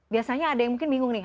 biasanya ada yang mungkin bingung nih